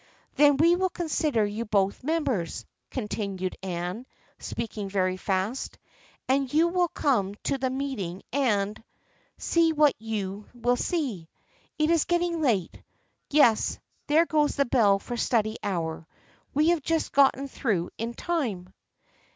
" Then we will consider you both members," continued Anne, speaking very fast, " and you will come to the meeting and — see what you will see. It is getting late — yes, there goes the bell for study hour. We have just gotten through in time."